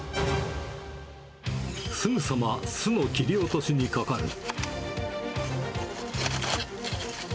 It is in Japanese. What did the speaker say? すぐさま巣の切り落としにかかる。